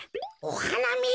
おはなみ？